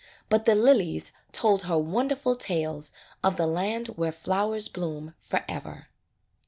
But the lilies told her wonderful tales of the land where flowers bloom forever.